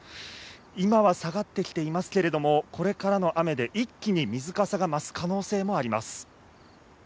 今は下がってきていますけれども、これからの雨で一気に水かさが増す可能性もあります。